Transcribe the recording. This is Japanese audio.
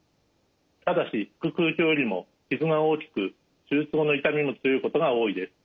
ただし腹腔鏡よりも傷が大きく手術後の痛みも強いことが多いです。